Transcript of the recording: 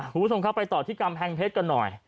ผู้ชมค่ะไปต่อที่กัมแพงเพชรกันหน่อย